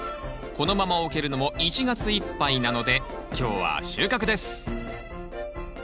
このまま置けるのも１月いっぱいなので今日は収穫です